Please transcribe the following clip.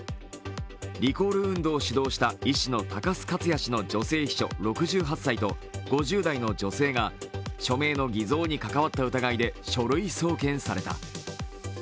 リコール運動を主導した医師の高須克弥氏の女性秘書６８歳の女性と５０代の女性が書類の偽造に関わった疑いで書類送検された。